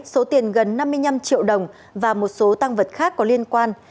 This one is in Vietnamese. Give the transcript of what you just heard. số tiền gần năm mươi năm triệu đồng và một số tăng vật khác có liên quan